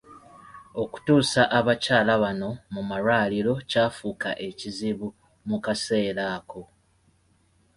Okutuusa abakyala bano mu malwaliro kyafuuka ekizibu mu kaseera ako.